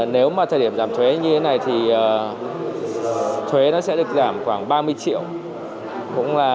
nếu mà thời điểm giảm thuế như thế này thì thuế nó sẽ được giảm khoảng ba mươi triệu